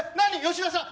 吉田さん！？